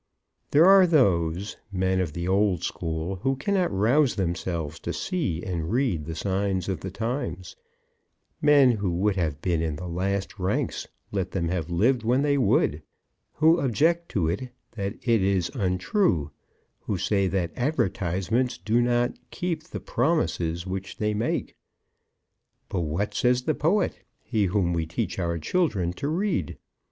There are those, men of the old school, who cannot rouse themselves to see and read the signs of the time, men who would have been in the last ranks, let them have lived when they would, who object to it that it is untrue, who say that advertisements do not keep the promises which they make. But what says the poet, he whom we teach our children to read?